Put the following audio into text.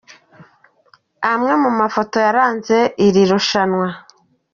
Amwe mu mafoto yaranze iri rushanwa.